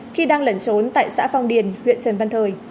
khi đang lẩn trốn tại xã phong điền huyện trần văn thời